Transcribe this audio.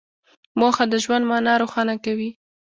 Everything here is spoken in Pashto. موخه د ژوند مانا روښانه کوي.